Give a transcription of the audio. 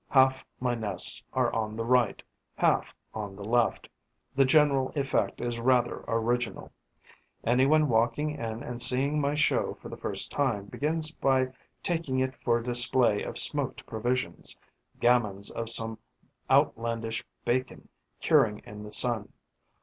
Half my nests are on the right, half on the left. The general effect is rather original. Any one walking in and seeing my show for the first time begins by taking it for a display of smoked provisions, gammons of some outlandish bacon curing in the sun.